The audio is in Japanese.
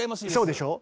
そうでしょ。